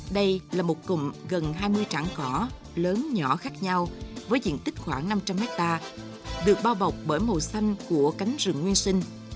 đây là một cụm gần hai mươi trảng cỏ lớn nhỏ khác nhau với diện tích khoảng năm trăm linh hectare được bao bọc bởi màu xanh của cánh rừng nguyên sinh